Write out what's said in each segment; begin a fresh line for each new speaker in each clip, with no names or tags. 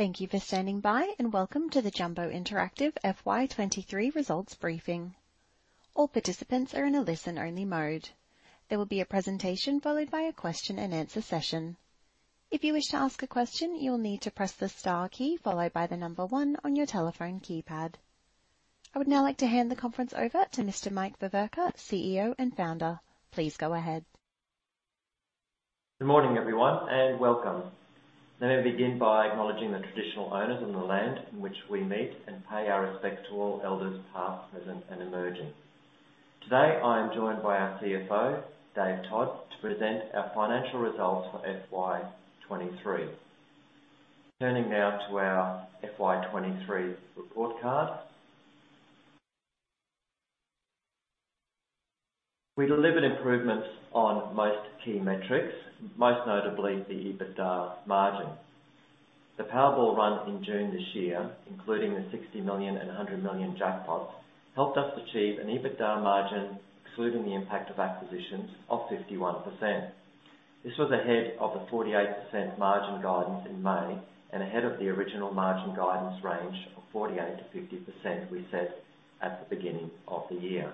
Thank you for standing by, and welcome to the Jumbo Interactive FY 2023 results briefing. All participants are in a listen-only mode. There will be a presentation followed by a question and answer session. If you wish to ask a question, you will need to press the star key followed by the number one on your telephone keypad. I would now like to hand the conference over to Mr. Mike Veverka, CEO and Founder. Please go ahead.
Good morning, everyone, and welcome. Let me begin by acknowledging the traditional owners of the land in which we meet, and pay our respects to all elders, past, present, and emerging. Today, I am joined by our CFO, Dave Todd, to present our financial results for FY 2023. Turning now to our FY 2023 report card. We delivered improvements on most key metrics, most notably the EBITDA margin. The Powerball run in June this year, including the 60 million and 100 million jackpots, helped us achieve an EBITDA margin, excluding the impact of acquisitions, of 51%. This was ahead of the 48% margin guidance in May and ahead of the original margin guidance range of 48%-50% we set at the beginning of the year.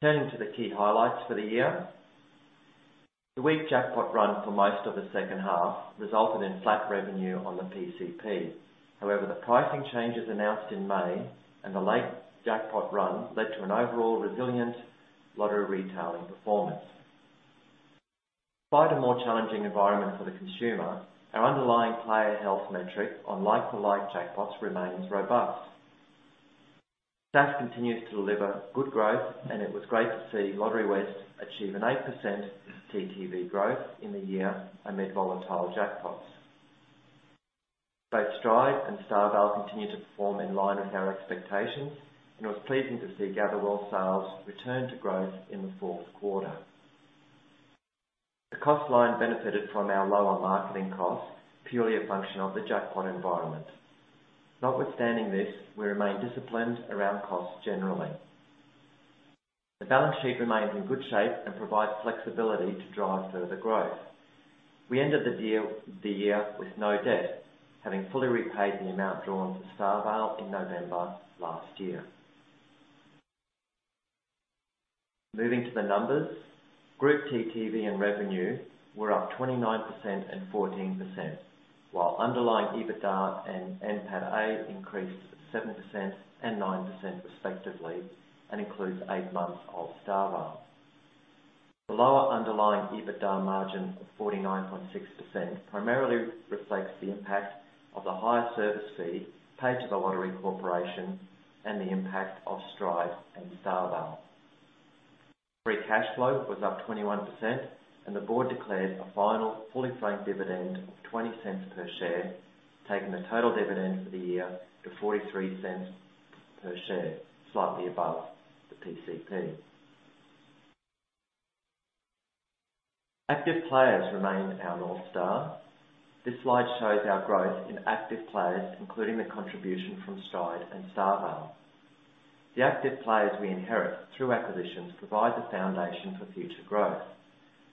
Turning to the key highlights for the year. The weak jackpot run for most of the second half resulted in flat revenue on the PCP. However, the pricing changes announced in May and the late jackpot run led to an overall resilient Lottery Retailing performance. Despite a more challenging environment for the consumer, our underlying player health metric on like-for-like jackpots remains robust. SaaS continues to deliver good growth, and it was great to see Lotterywest achieve an 8% TTV growth in the year amid volatile jackpots. Both Stride and StarVale continue to perform in line with our expectations, and it was pleasing to see Gatherwell sales return to growth in the fourth quarter. The cost line benefited from our lower marketing costs, purely a function of the jackpot environment. Notwithstanding this, we remain disciplined around costs generally. The balance sheet remains in good shape and provides flexibility to drive further growth. We ended the year with no debt, having fully repaid the amount drawn for StarVale in November last year. Moving to the numbers, group TTV and revenue were up 29% and 14%, while underlying EBITDA and NPATA increased 7% and 9%, respectively, and includes eight months of StarVale. The lower underlying EBITDA margin of 49.6% primarily reflects the impact of the higher service fee paid to The Lottery Corporation and the impact of Stride and StarVale. Free cash flow was up 21%, and the board declared a final fully franked dividend of 0.20 per share, taking the total dividend for the year to 0.43 per share, slightly above the PCP. Active players remain our North Star. This slide shows our growth in active players, including the contribution from Stride and StarVale. The active players we inherit through acquisitions provide the foundation for future growth.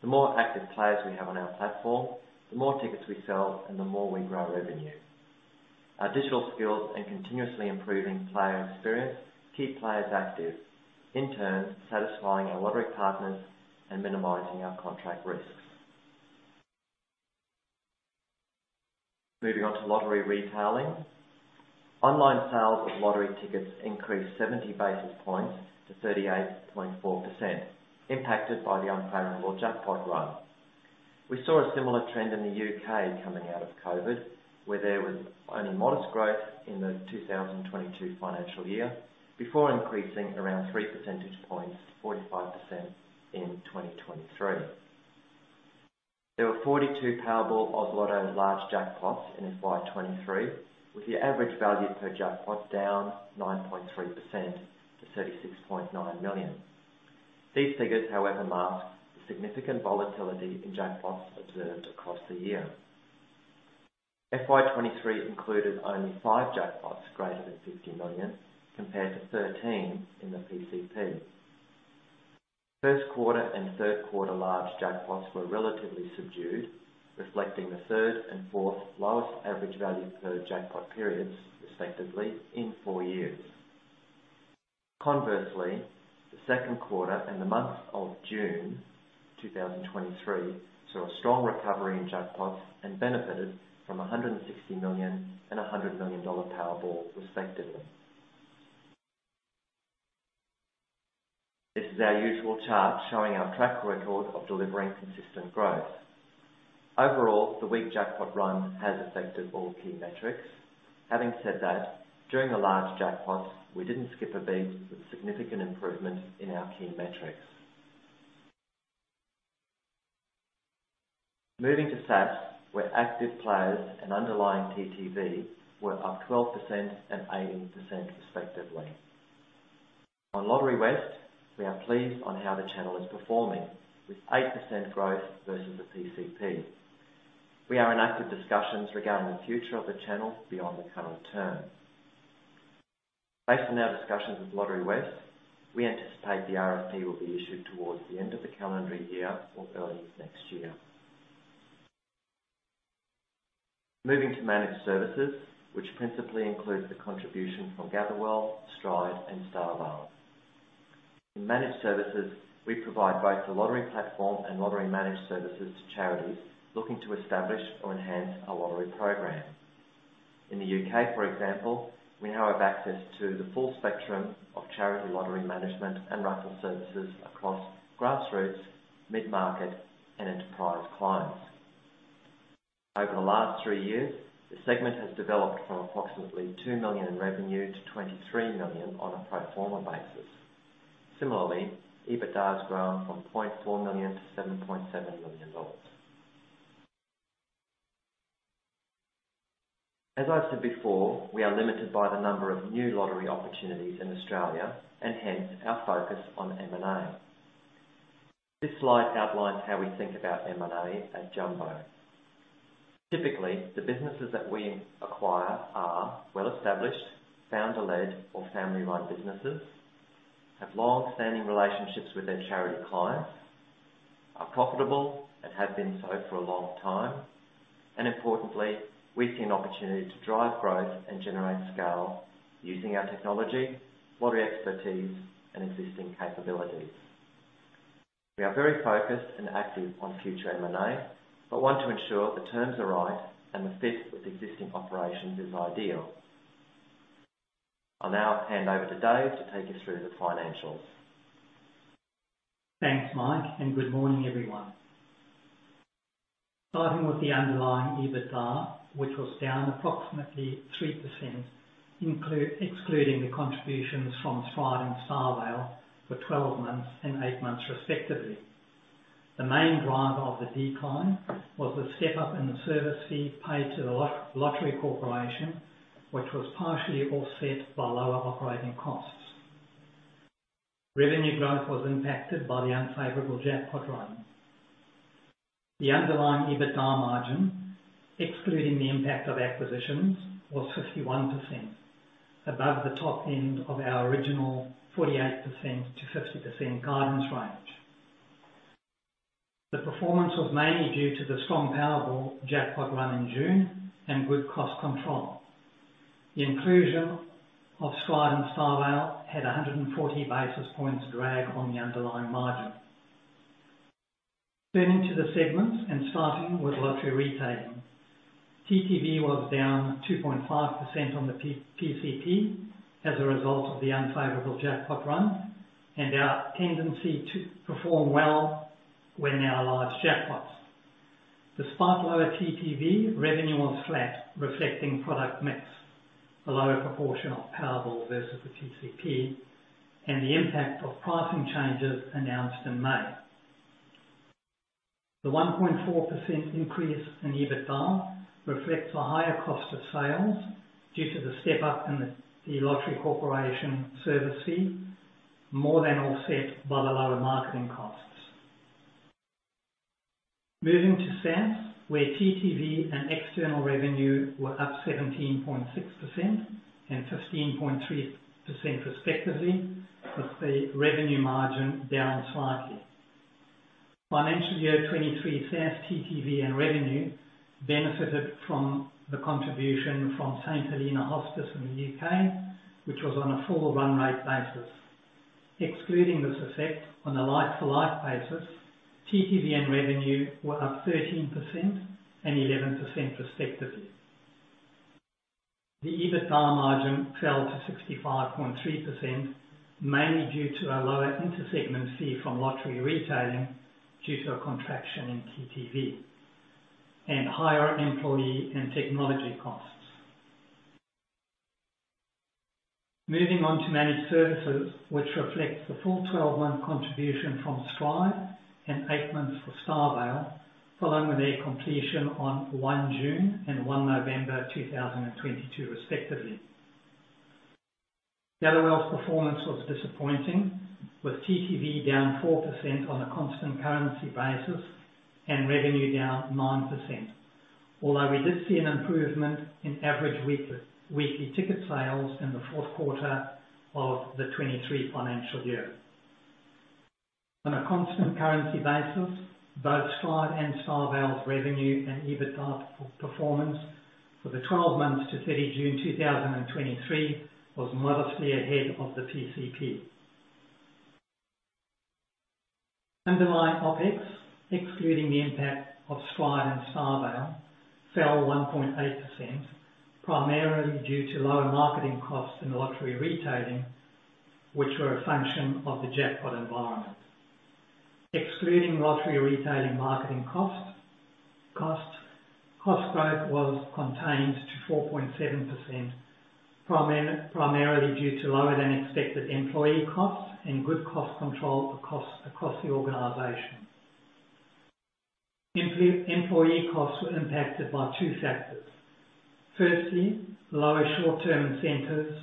The more active players we have on our platform, the more tickets we sell and the more we grow revenue. Our digital skills and continuously improving player experience keep players active, in turn, satisfying our lottery partners and minimizing our contract risks. Moving on to Lottery Retailing. Online sales of lottery tickets increased 70 basis points to 38.4%, impacted by the unfavorable jackpot run. We saw a similar trend in the U.K. coming out of COVID, where there was only modest growth in the 2022 financial year before increasing around 3 percentage points to 45% in 2023. There were 42 Powerball Oz Lotto large jackpots in FY 2023, with the average value per jackpot down 9.3% to 36.9 million. These figures, however, mask the significant volatility in jackpots observed across the year. FY 2023 included only five jackpots greater than 50 million, compared to 13 in the PCP. First quarter and third quarter large jackpots were relatively subdued, reflecting the third and fourth lowest average value per jackpot periods, respectively, in four years. Conversely, the second quarter and the month of June 2023 saw a strong recovery in jackpots and benefited from a 160 million and a 100 million dollar Powerball, respectively. This is our usual chart showing our track record of delivering consistent growth. Overall, the weak jackpot run has affected all key metrics. Having said that, during the large jackpots, we didn't skip a beat with significant improvements in our key metrics. Moving to SaaS, where active players and underlying TTV were up 12% and 18%, respectively. On Lotterywest, we are pleased on how the channel is performing, with 8% growth versus the PCP. We are in active discussions regarding the future of the channel beyond the current term... Based on our discussions with Lotterywest, we anticipate the RFP will be issued towards the end of the calendar year or early next year. Moving to Managed Services, which principally includes the contribution from Gatherwell, Stride, and StarVale. In Managed Services, we provide both the lottery platform and lottery Managed Services to charities looking to establish or enhance a lottery program. In the U.K., for example, we now have access to the full spectrum of charity lottery management and raffle services across grassroots, mid-market, and enterprise clients. Over the last three years, the segment has developed from approximately 2 million in revenue to 23 million on a pro forma basis. Similarly, EBITDA has grown from 0.4 million to 7.7 million dollars. As I've said before, we are limited by the number of new lottery opportunities in Australia and hence our focus on M&A. This slide outlines how we think about M&A at Jumbo. Typically, the businesses that we acquire are well-established, founder-led, or family-run businesses, have long-standing relationships with their charity clients, are profitable and have been so for a long time, and importantly, we see an opportunity to drive growth and generate scale using our technology, lottery expertise, and existing capabilities. We are very focused and active on future M&A, but want to ensure the terms are right and the fit with existing operations is ideal. I'll now hand over to Dave to take you through the financials.
Thanks, Mike, and good morning, everyone. Starting with the underlying EBITDA, which was down approximately 3%, excluding the contributions from Stride and StarVale for 12 months and eight months, respectively. The main driver of the decline was the step up in the service fee paid to The Lottery Corporation, which was partially offset by lower operating costs. Revenue growth was impacted by the unfavorable jackpot run. The underlying EBITDA margin, excluding the impact of acquisitions, was 51%, above the top end of our original 48%-50% guidance range. The performance was mainly due to the strong Powerball jackpot run in June and good cost control. The inclusion of Stride and StarVale had a 140 basis points drag on the underlying margin. Turning to the segments and starting with Lottery Retailing. TTV was down 2.5% on the PCP as a result of the unfavorable jackpot run and our tendency to perform well when there are large jackpots. Despite lower TTV, revenue was flat, reflecting product mix, a lower proportion of Powerball versus the PCP, and the impact of pricing changes announced in May. The 1.4% increase in EBITDA reflects a higher cost of sales due to the step up in The Lottery Corporation service fee, more than offset by the lower marketing costs. Moving to SaaS, where TTV and external revenue were up 17.6% and 15.3% respectively, with the revenue margin down slightly. Financial year 2023 SaaS, TTV, and revenue benefited from the contribution from St Helena Hospice in the U.K., which was on a full run rate basis. Excluding this effect on a like-for-like basis, TTV and revenue were up 13% and 11%, respectively. The EBITDA margin fell to 65.3%, mainly due to a lower inter-segment fee from Lottery Retailing due to a contraction in TTV and higher employee and technology costs. Moving on to Managed Services, which reflects the full 12-month contribution from Stride and eight months for StarVale, following their completion on 1 June and 1 November 2022, respectively. Gatherwell's performance was disappointing, with TTV down 4% on a constant currency basis and revenue down 9%. Although we did see an improvement in average weekly ticket sales in the fourth quarter of the 2023 financial year. On a constant currency basis, both Stride and StarVale's revenue and EBITDA performance for the 12 months to 30 June 2023 was modestly ahead of the PCP. Underlying OpEx, excluding the impact of Stride and StarVale, fell 1.8%, primarily due to lower marketing costs in Lottery Retailing, which were a function of the jackpot environment. Excluding Lottery Retailing marketing costs, cost growth was contained to 4.7%, primarily due to lower-than-expected employee costs and good cost control across the organization. Employee costs were impacted by two factors. Firstly, lower short-term incentives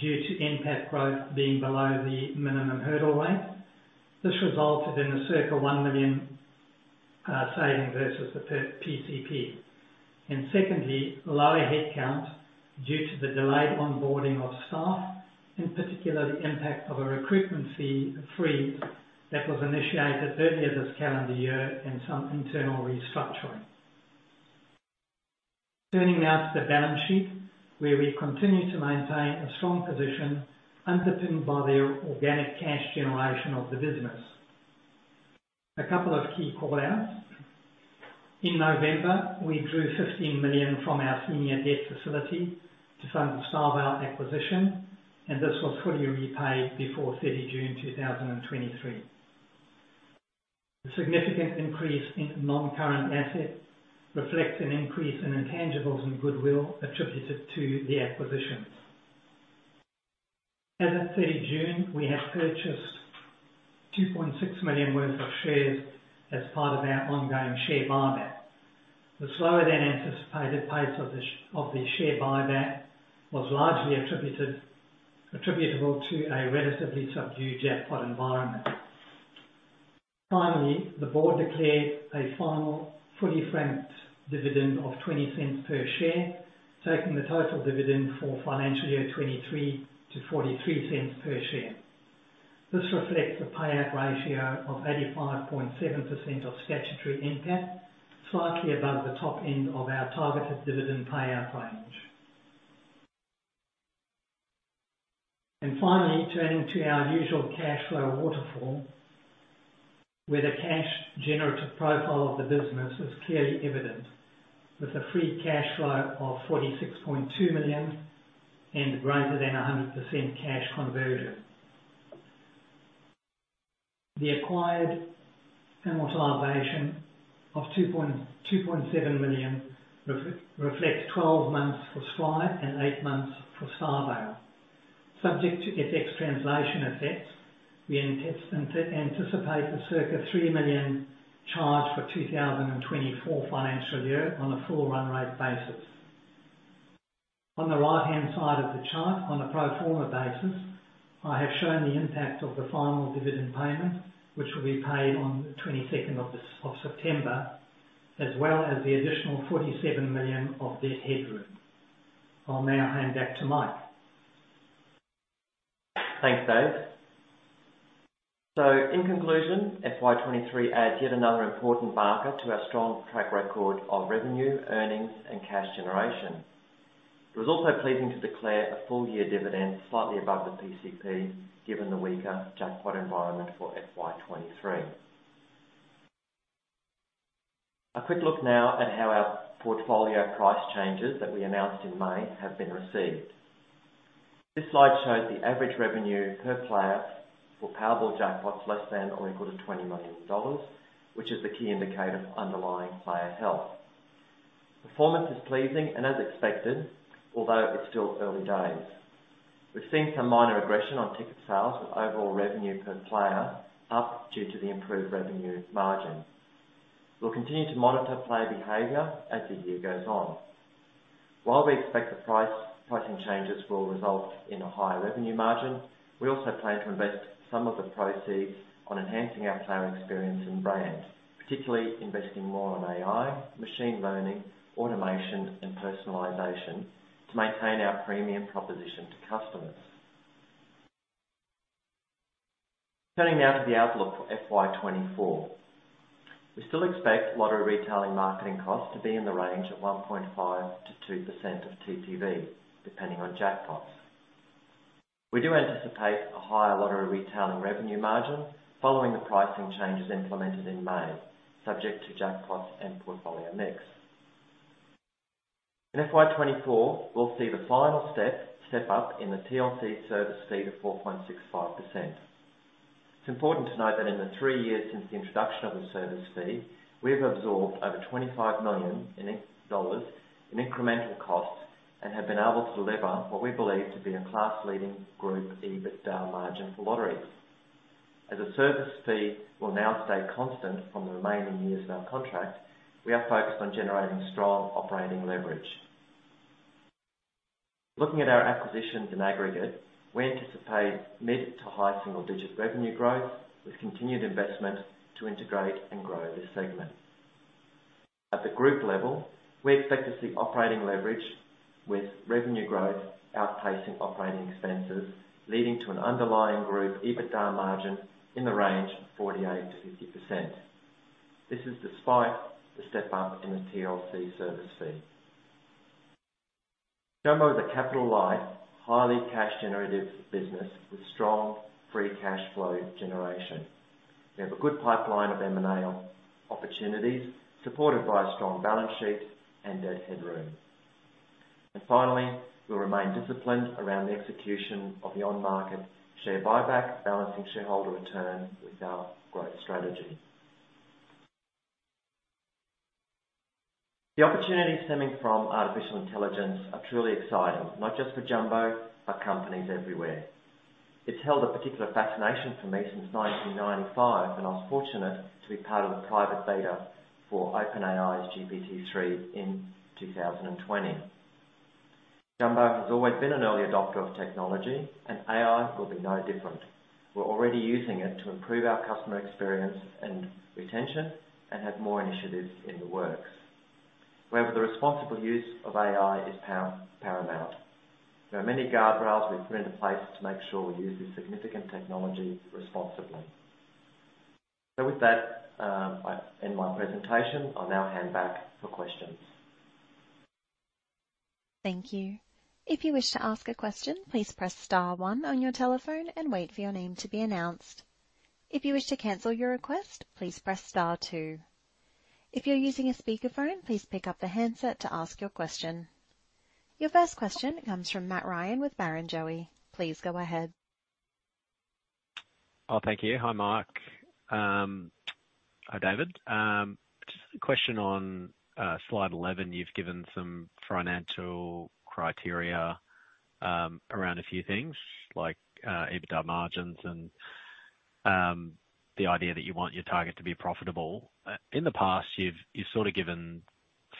due to NPAT growth being below the minimum hurdle rate. This resulted in a circa 1 million saving versus the PCP. And secondly, lower headcount due to the delayed onboarding of staff, in particular, the impact of a recruitment fee freeze that was initiated earlier this calendar year and some internal restructuring. Turning now to the balance sheet, where we continue to maintain a strong position underpinned by the organic cash generation of the business. A couple of key call-outs: in November, we drew 15 million from our senior debt facility to fund the StarVale acquisition, and this was fully repaid before 30 June 2023. The significant increase in non-current assets reflects an increase in intangibles and goodwill attributed to the acquisitions. As of 30 June, we have purchased 2.6 million worth of shares as part of our ongoing share buyback. The slower-than-anticipated pace of the share buyback was largely attributable to a relatively subdued jackpot environment. Finally, the board declared a final fully franked dividend of 0.20 per share, taking the total dividend for financial year 2023 to 0.43 per share. This reflects a payout ratio of 85.7% of statutory NPAT, slightly above the top end of our targeted dividend payout range. Finally, turning to our usual cash flow waterfall, where the cash generative profile of the business is clearly evident, with a free cash flow of 46.2 million and greater than 100% cash conversion. The acquired amortization of 2.7 million reflects 12 months for Stride and eight months for StarVale. Subject to FX translation assets, we anticipate the circa 3 million charge for 2024 financial year on a full run rate basis. On the right-hand side of the chart, on a pro forma basis, I have shown the impact of the final dividend payment, which will be paid on the 22nd of this September, as well as the additional 47 million of debt headroom. I'll now hand back to Mike.
Thanks, Dave. So in conclusion, FY 2023 adds yet another important marker to our strong track record of revenue, earnings, and cash generation. It was also pleasing to declare a full-year dividend slightly above the PCP, given the weaker jackpot environment for FY 2023. A quick look now at how our portfolio price changes that we announced in May have been received. This slide shows the average revenue per player for Powerball jackpots less than or equal to 20 million dollars, which is the key indicator of underlying player health. Performance is pleasing and as expected, although it's still early days. We've seen some minor aggression on ticket sales with overall revenue per player up due to the improved revenue margin. We'll continue to monitor player behavior as the year goes on. While we expect the pricing changes will result in a higher revenue margin, we also plan to invest some of the proceeds on enhancing our player experience and brand, particularly investing more on AI, machine learning, automation, and personalization, to maintain our premium proposition to customers. Turning now to the outlook for FY 2024. We still expect Lottery Retailing marketing costs to be in the range of 1.5%-2% of TTV, depending on jackpots. We do anticipate a higher Lottery Retailing revenue margin following the pricing changes implemented in May, subject to jackpots and portfolio mix. In FY 2024, we'll see the final step up in the TLC service fee to 4.65%. It's important to note that in the three years since the introduction of the service fee, we've absorbed over 25 million dollars in incremental costs and have been able to deliver what we believe to be a class-leading group EBITDA margin for lotteries. As the service fee will now stay constant for the remaining years of our contract, we are focused on generating strong operating leverage. Looking at our acquisitions in aggregate, we anticipate mid to high single-digit revenue growth, with continued investment to integrate and grow this segment. At the group level, we expect to see operating leverage with revenue growth outpacing operating expenses, leading to an underlying group EBITDA margin in the range of 48%-50%. This is despite the step up in the TLC service fee. Jumbo is a capital light, highly cash-generative business with strong free cash flow generation. We have a good pipeline of M&A opportunities, supported by a strong balance sheet and debt headroom. And finally, we'll remain disciplined around the execution of the on-market share buyback, balancing shareholder returns with our growth strategy. The opportunities stemming from artificial intelligence are truly exciting, not just for Jumbo, but companies everywhere. It's held a particular fascination for me since 1995, and I was fortunate to be part of the private beta for OpenAI's GPT-3 in 2020.... Jumbo has always been an early adopter of technology, and AI will be no different. We're already using it to improve our customer experience and retention and have more initiatives in the works. However, the responsible use of AI is paramount. There are many guardrails we've put into place to make sure we use this significant technology responsibly. So with that, I end my presentation. I'll now hand back for questions.
Thank you. If you wish to ask a question, please press star one on your telephone and wait for your name to be announced. If you wish to cancel your request, please press star two. If you're using a speakerphone, please pick up the handset to ask your question. Your first question comes from Matt Ryan with Barrenjoey. Please go ahead.
Oh, thank you. Hi, Mike. Hi, David. Just a question on slide 11, you've given some financial criteria around a few things like EBITDA margins and the idea that you want your target to be profitable. In the past, you've sort of given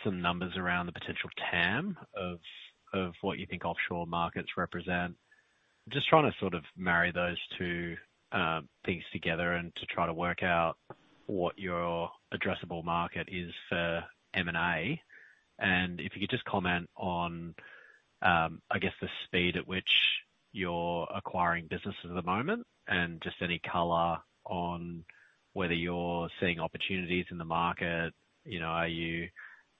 some numbers around the potential TAM of what you think offshore markets represent. Just trying to sort of marry those two things together and to try to work out what your addressable market is for M&A. And if you could just comment on, I guess, the speed at which you're acquiring business at the moment, and just any color on whether you're seeing opportunities in the market. You know, are you,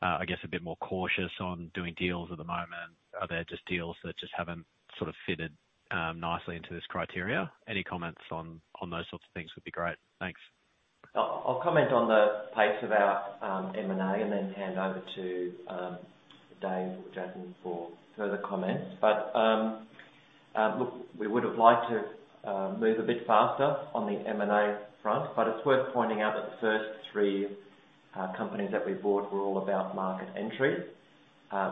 I guess, a bit more cautious on doing deals at the moment? Are there just deals that just haven't sort of fitted, nicely into this criteria? Any comments on, on those sorts of things would be great. Thanks.
I'll comment on the pace of our M&A and then hand over to Dave or Jatin for further comments. But look, we would have liked to move a bit faster on the M&A front, but it's worth pointing out that the first three companies that we bought were all about market entry.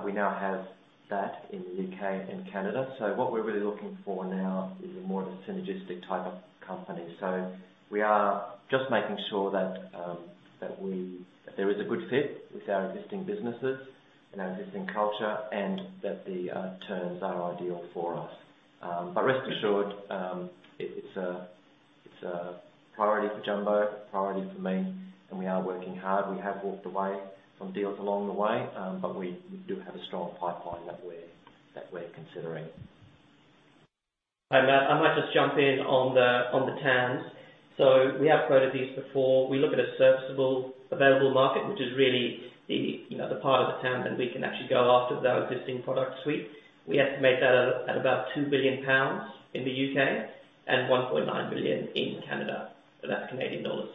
We now have that in the U.K. and Canada. So what we're really looking for now is a more of a synergistic type of company. So we are just making sure that there is a good fit with our existing businesses and our existing culture, and that the terms are ideal for us. But rest assured, it's a priority for Jumbo, priority for me, and we are working hard. We have walked away from deals along the way, but we do have a strong pipeline that we're considering.
Hi, Matt, I might just jump in on the TAM. So we have quoted these before. We look at a serviceable available market, which is really the, you know, the part of the TAM that we can actually go after with our existing product suite. We estimate that at about 2 billion pounds in the U.K. and 1.9 billion in Canada, so that's Canadian dollars.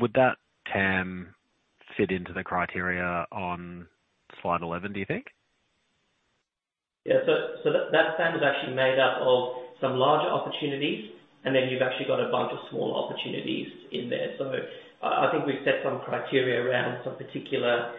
Would that TAM fit into the criteria on slide 11, do you think?
Yeah. So, so that, that TAM is actually made up of some larger opportunities, and then you've actually got a bunch of smaller opportunities in there. So I, I think we've set some criteria around some particular,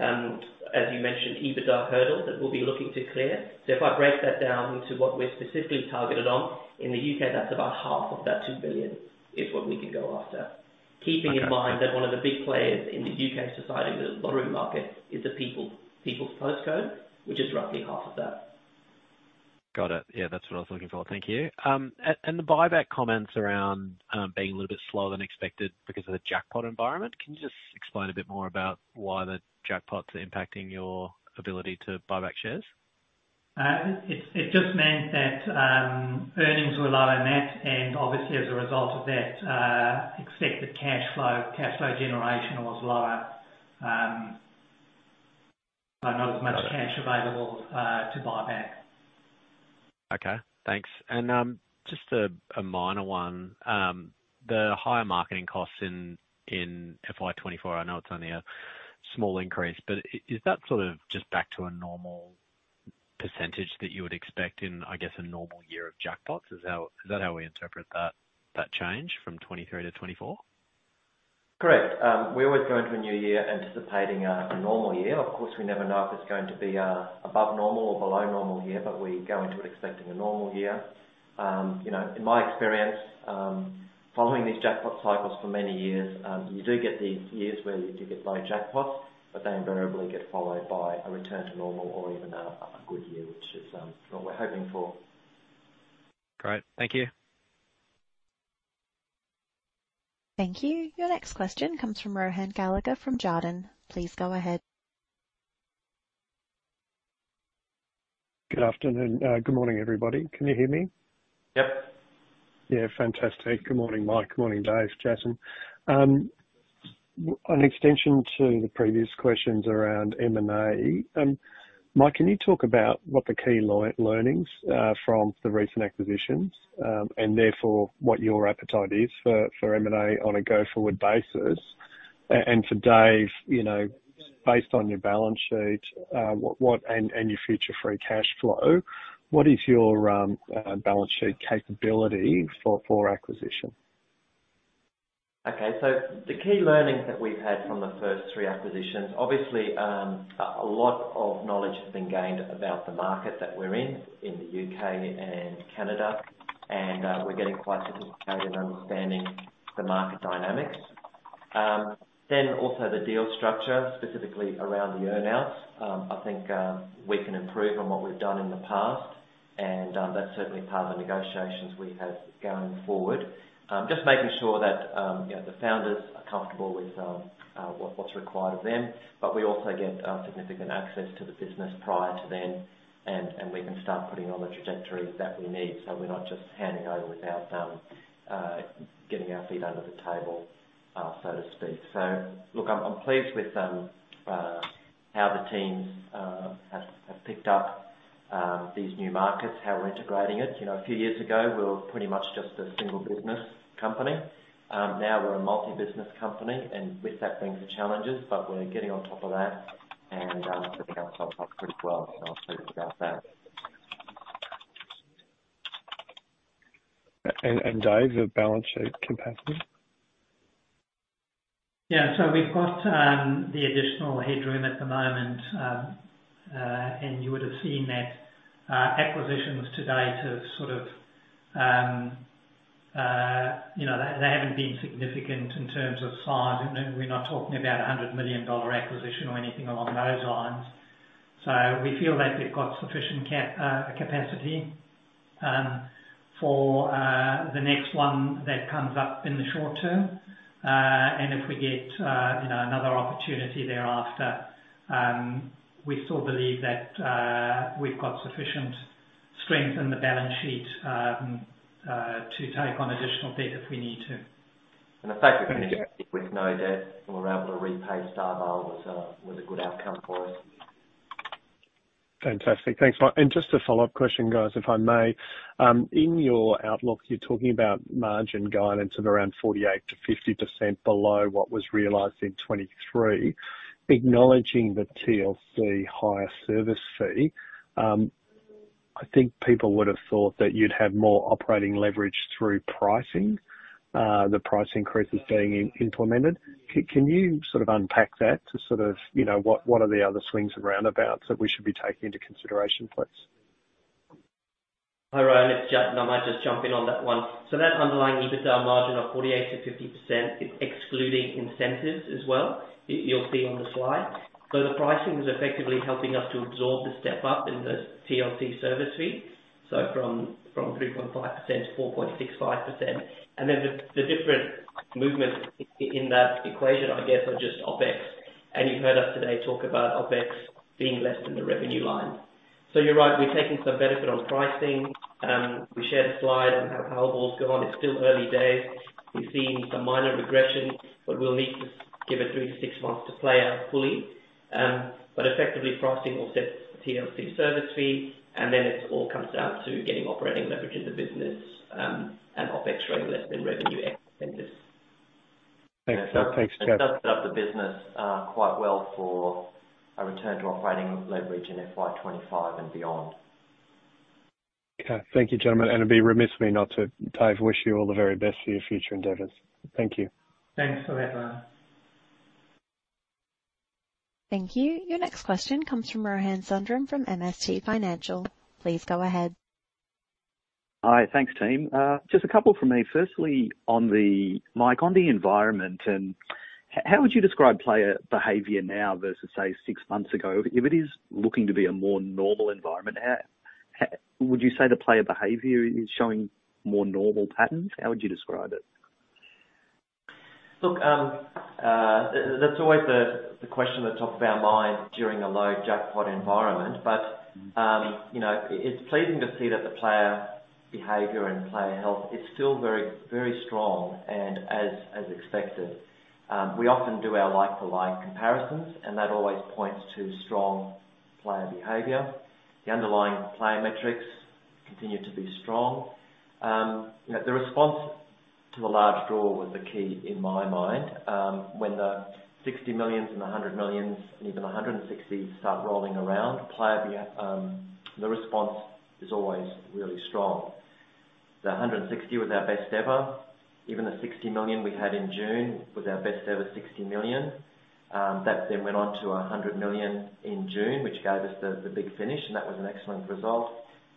as you mentioned, EBITDA hurdle that we'll be looking to clear. So if I break that down into what we're specifically targeted on, in the U.K., that's about half of that 2 billion, is what we can go after.
Okay.
Keeping in mind that one of the big players in the U.K. society lottery market is the People's Postcode, which is roughly half of that.
Got it. Yeah, that's what I was looking for. Thank you. And the buyback comments around being a little bit slower than expected because of the jackpot environment. Can you just explain a bit more about why the jackpots are impacting your ability to buy back shares?
It just meant that earnings were lower than that, and obviously, as a result of that, expected cash flow generation was lower. So not as much-
Got it.
- cash available to buy back.
Okay, thanks. And, just a minor one. The higher marketing costs in FY 2024, I know it's only a small increase, but is that sort of just back to a normal percentage that you would expect in, I guess, a normal year of jackpots? Is that how we interpret that change from 2023 to 2024?
Correct. We always go into a new year anticipating a normal year. Of course, we never know if it's going to be above normal or below normal year, but we go into it expecting a normal year. You know, in my experience, following these jackpot cycles for many years, you do get the years where you do get low jackpots, but they invariably get followed by a return to normal or even a good year, which is what we're hoping for.
Great. Thank you.
Thank you. Your next question comes from Rohan Gallagher from Jarden. Please go ahead.
Good afternoon. Good morning, everybody. Can you hear me?
Yep.
Yeah. Fantastic. Good morning, Mike. Good morning, Dave, Jason. An extension to the previous questions around M&A. Mike, can you talk about what the key learnings from the recent acquisitions, and therefore what your appetite is for M&A on a go-forward basis? And for Dave, you know, based on your balance sheet, what and your future free cash flow, what is your balance sheet capability for acquisition?
Okay. So the key learnings that we've had from the first three acquisitions, obviously, a lot of knowledge has been gained about the market that we're in, in the U.K. and Canada, and, we're getting quite sophisticated in understanding the market dynamics.... Then also the deal structure, specifically around the earn-outs. I think, we can improve on what we've done in the past, and, that's certainly part of the negotiations we have going forward. Just making sure that, you know, the founders are comfortable with, what, what's required of them, but we also get, significant access to the business prior to then, and, and we can start putting on the trajectory that we need. So we're not just handing over without, getting our feet under the table, so to speak. So look, I'm pleased with how the teams have picked up these new markets, how we're integrating it. You know, a few years ago, we were pretty much just a single business company. Now we're a multi-business company, and with that brings the challenges, but we're getting on top of that, and I think ourselves pretty well, so I'm pleased about that.
And, Dave, the balance sheet capacity?
Yeah. So we've got the additional headroom at the moment. And you would've seen that acquisitions to date have sort of, you know, they haven't been significant in terms of size. And we're not talking about an 100 million dollar acquisition or anything along those lines. So we feel that we've got sufficient capacity for the next one that comes up in the short term. And if we get, you know, another opportunity thereafter, we still believe that we've got sufficient strength in the balance sheet to take on additional debt if we need to.
The fact that we know that we're able to repay StarVale was a good outcome for us.
Fantastic. Thanks. And just a follow-up question, guys, if I may. In your outlook, you're talking about margin guidance of around 48%-50% below what was realized in 2023. Acknowledging the TLC higher service fee, I think people would've thought that you'd have more operating leverage through pricing, the price increases being implemented. Can you sort of unpack that to sort of, you know, what, what are the other swings around about that we should be taking into consideration, please?
Hi, Ryan, it's Jatin, and I might just jump in on that one. So that underlying EBITDA margin of 48%-50% is excluding incentives as well. You'll see on the slide. So the pricing is effectively helping us to absorb the step up in the TLC service fee, so from three point five percent to four point six five percent. And then the different movements in that equation, I guess, are just OpEx. And you heard us today talk about OpEx being less than the revenue line. So you're right, we're taking some benefit on pricing. We shared a slide on how Powerball goes on. It's still early days. We've seen some minor regression, but we'll need to give it three to six months to play out fully. Effectively, pricing will set TLC service fee, and then it all comes down to getting operating leverage in the business, and OpEx running less than revenue expenses.
Thanks. Thanks, Jatin.
It does set up the business, quite well for a return to operating leverage in FY 2025 and beyond.
Okay. Thank you, gentlemen. It'd be remiss of me not to, Dave, wish you all the very best for your future endeavors. Thank you.
Thanks for that, Ryan.
Thank you. Your next question comes from Rohan Sundram, from MST Financial. Please go ahead.
Hi. Thanks, team. Just a couple from me. Firstly, on the... Mike, on the environment, and how would you describe player behavior now versus, say, six months ago? If it is looking to be a more normal environment, how would you say the player behavior is showing more normal patterns? How would you describe it?
Look, that's always the question at the top of our mind during a low jackpot environment. But, you know, it's pleasing to see that the player behavior and player health is still very, very strong and as expected. We often do our like-for-like comparisons, and that always points to strong player behavior. The underlying player metrics continue to be strong. You know, the response to the large draw was the key in my mind. When the 60 millions and the 100 millions, and even a 160 start rolling around, the response is always really strong. The 160 was our best ever. Even the 60 million we had in June was our best ever 60 million. That then went on to 100 million in June, which gave us the, the big finish, and that was an excellent result.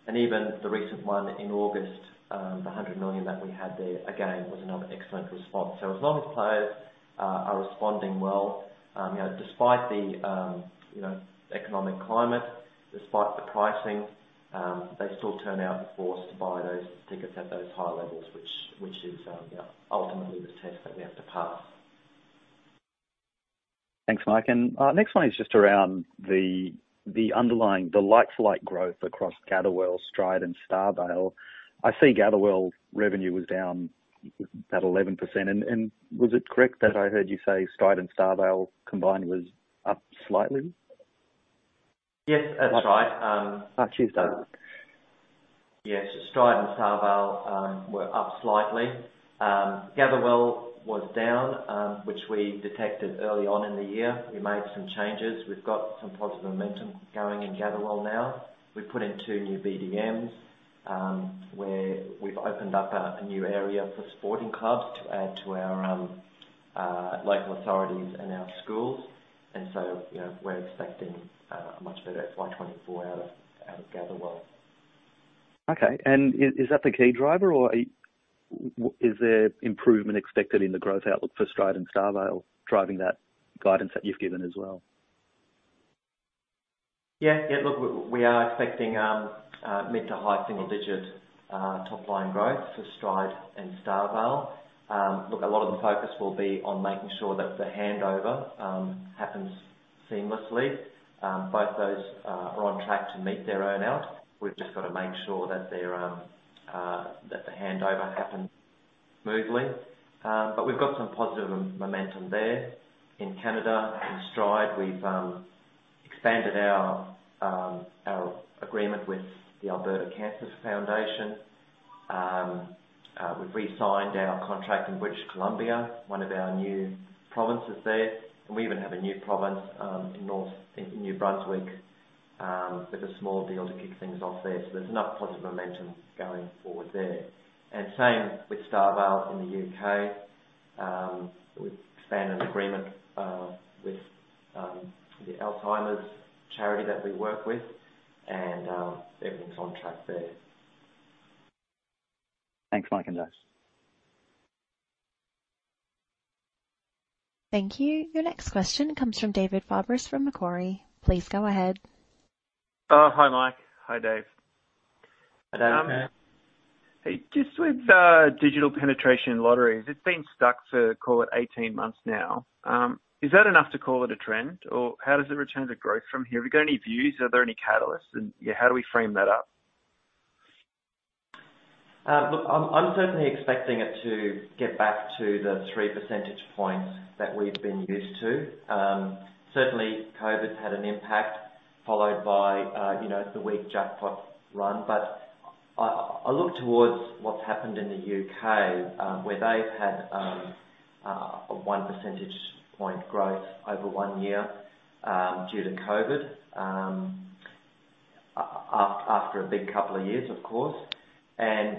Even the recent one in August, the 100 million that we had there, again, was another excellent response. As long as players are responding well, you know, despite the, you know, economic climate, despite the pricing, they still turn out in force to buy those tickets at those high levels, which, which is, ultimately the test that we have to pass.
Thanks, Mike. And next one is just around the underlying like-for-like growth across Gatherwell, Stride, and StarVale. I see Gatherwell revenue was down about 11%. And was it correct that I heard you say Stride and StarVale combined was up slightly?
Yes, that's right.
Excuse that.
Yes, Stride and StarVale were up slightly. Gatherwell was down, which we detected early on in the year. We made some changes. We've got some positive momentum going in Gatherwell now. We've put in two new BDMs, where we've opened up a new area for sporting clubs to add to our local authorities and our schools. And so, you know, we're expecting a much better FY 2024 out of Gatherwell.
Okay, and is that the key driver, or is there improvement expected in the growth outlook for Stride and StarVale driving that guidance that you've given as well?
Yeah. Yeah, look, we are expecting mid- to high-single-digit top-line growth for Stride and StarVale. Look, a lot of the focus will be on making sure that the handover happens seamlessly. Both those are on track to meet their earn-out. We've just got to make sure that they're that the handover happens smoothly. But we've got some positive momentum there. In Canada, in Stride, we've expanded our agreement with the Alberta Cancer Foundation. We've re-signed our contract in British Columbia, one of our new provinces there, and we even have a new province in New Brunswick with a small deal to kick things off there. So there's enough positive momentum going forward there. And same with StarVale in the U.K. We've expanded agreement with the Alzheimer's charity that we work with, and everything's on track there.
Thanks, Mike and Dave.
Thank you. Your next question comes from David Fabris, from Macquarie. Please go ahead.
Hi, Mike. Hi, Dave.
Hi, David.
Hey, just with digital penetration in lotteries, it's been stuck for, call it 18 months now. Is that enough to call it a trend, or how does it return to growth from here? Have you got any views? And, yeah, how do we frame that up?
Look, I'm certainly expecting it to get back to the 3 percentage points that we've been used to. Certainly, COVID's had an impact, followed by, you know, the weak jackpot run. But I look towards what's happened in the U.K, where they've had a 1 percentage point growth over one year due to COVID. After a big couple of years, of course, and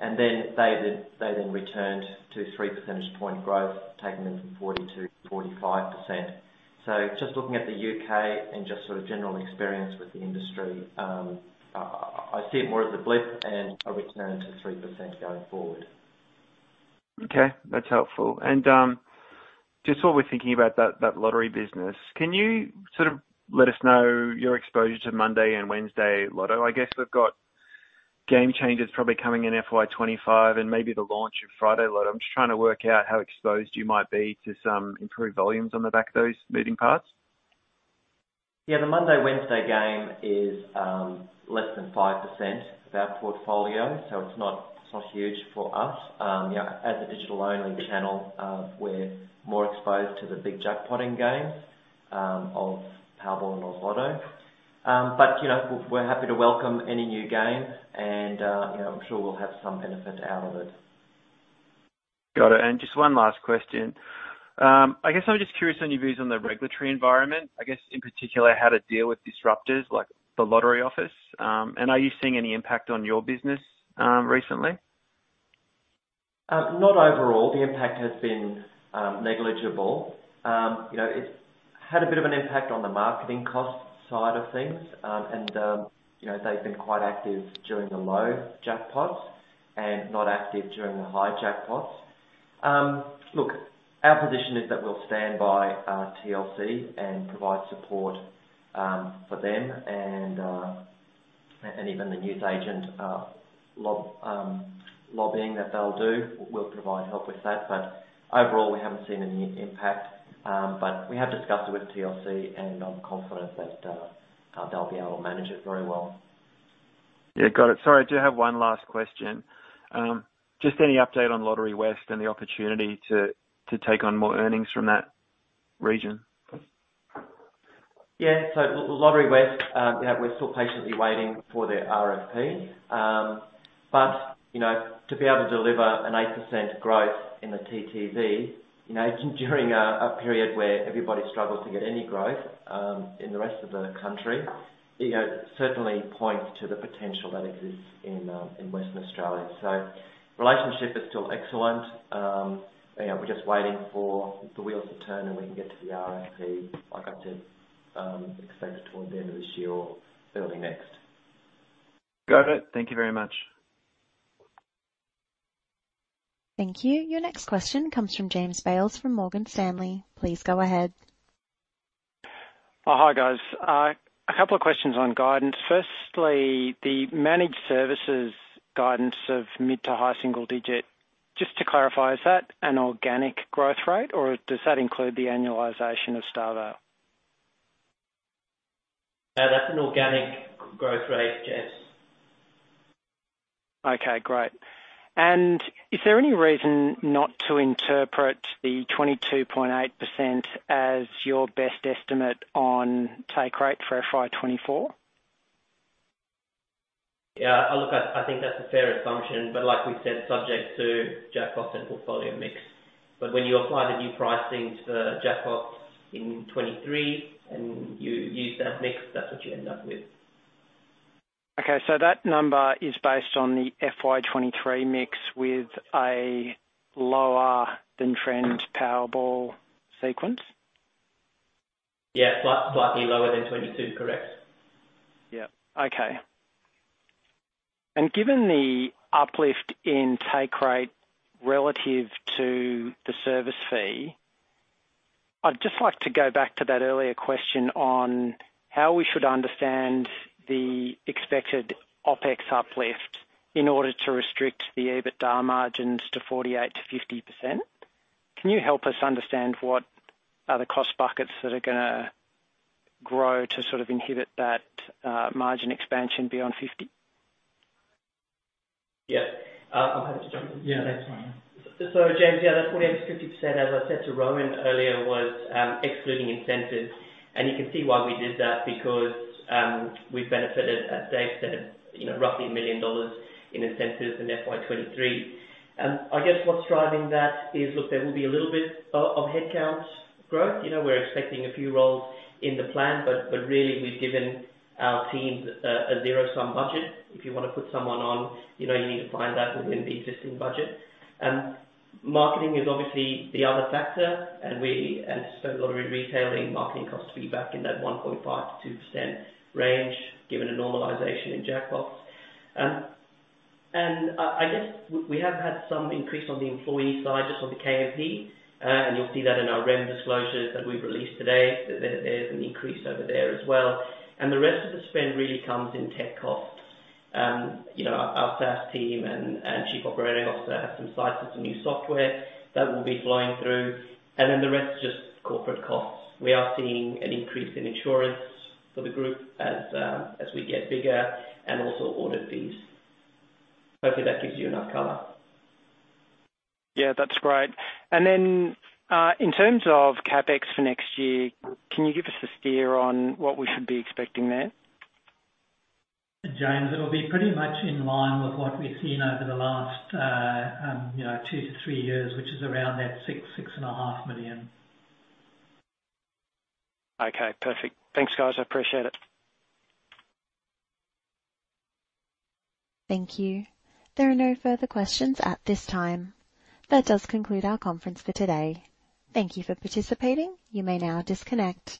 then they returned to 3 percentage point growth, taking them from 40% to 45%. So just looking at the U.K. and just sort of general experience with the industry, I see it more as a blip and a return to 3% going forward.
Okay, that's helpful. And, just while we're thinking about that, that lottery business, can you sort of let us know your exposure to Monday and Wednesday Lotto? I guess we've got game changers probably coming in FY 2025 and maybe the launch of Friday Lotto. I'm just trying to work out how exposed you might be to some improved volumes on the back of those moving parts.
Yeah, the Monday-Wednesday game is less than 5% of our portfolio, so it's not, it's not huge for us. You know, as a digital-only channel, we're more exposed to the big jackpotting games of Powerball and Oz Lotto. But, you know, we're happy to welcome any new game and, you know, I'm sure we'll have some benefit out of it.
Got it. And just one last question: I guess I'm just curious on your views on the regulatory environment. I guess, in particular, how to deal with disruptors like The Lottery Office. And are you seeing any impact on your business recently?
Not overall. The impact has been negligible. You know, it's had a bit of an impact on the marketing cost side of things. And you know, they've been quite active during the low jackpots and not active during the high jackpots. Look, our position is that we'll stand by TLC and provide support for them and even the newsagent lobbying that they'll do, we'll provide help with that. But overall, we haven't seen any impact, but we have discussed it with TLC, and I'm confident that they'll be able to manage it very well.
Yeah. Got it. Sorry, I do have one last question. Just any update on Lotterywest and the opportunity to, to take on more earnings from that region?
Yeah. So Lotterywest, yeah, we're still patiently waiting for their RFP. But, you know, to be able to deliver an 8% growth in the TTV, you know, during a period where everybody struggles to get any growth, in the rest of the country, it certainly points to the potential that exists in, in Western Australia. So relationship is still excellent. You know, we're just waiting for the wheels to turn, and we can get to the RFP, like I said, expected towards the end of this year or early next.
Got it. Thank you very much.
Thank you. Your next question comes from James Bales, from Morgan Stanley. Please go ahead.
Hi, guys. A couple of questions on guidance. Firstly, the Managed Services guidance of mid- to high-single-digit. Just to clarify, is that an organic growth rate, or does that include the annualization of StarVale?
That's an organic growth rate, James.
Okay, great. Is there any reason not to interpret the 22.8% as your best estimate on take rate for FY 2024?
Yeah. Look, I think that's a fair assumption, but like we said, subject to jackpot and portfolio mix. But when you apply the new pricing to the jackpot in 2023 and you use that mix, that's what you end up with.
Okay. So that number is based on the FY 2023 mix with a lower-than-trend Powerball sequence?
Yeah, slightly lower than 2022, correct.
Yeah. Okay. Given the uplift in take rate relative to the service fee, I'd just like to go back to that earlier question on how we should understand the expected OpEx uplift in order to restrict the EBITDA margins to 48%-50%. Can you help us understand what are the cost buckets that are gonna grow to sort of inhibit that, margin expansion beyond 50%?
Yeah. I'll have to jump in.
Yeah, that's fine. So, James, yeah, that 48%-50%, as I said to Rohan earlier, was excluding incentives. And you can see why we did that, because we've benefited, as Dave said, you know, roughly 1 million dollars in incentives in FY 2023. I guess what's driving that is, look, there will be a little bit of headcount growth. You know, we're expecting a few roles in the plan, but really, we've given our teams a zero-sum budget. If you wanna put someone on, you know, you need to find that within the existing budget. Marketing is obviously the other factor, and so a lot of retailing marketing costs will be back in that 1.5%-2% range, given a normalization in jackpots.
I guess we have had some increase on the employee side, just on the KMP, and you'll see that in our REM disclosures that we've released today, that there's an increase over there as well. And the rest of the spend really comes in tech costs. You know, our SaaS team and Chief Operating Officer have some sites and some new software that will be flowing through, and then the rest is just corporate costs. We are seeing an increase in insurance for the group as we get bigger and also audit fees. Hopefully, that gives you enough color.
Yeah, that's great. Then, in terms of CapEx for next year, can you give us a steer on what we should be expecting there?
James, it'll be pretty much in line with what we've seen over the last, you know, two to three years, which is around that 6 million-6.5 million.
Okay, perfect. Thanks, guys. I appreciate it.
Thank you. There are no further questions at this time. That does conclude our conference for today. Thank you for participating. You may now disconnect.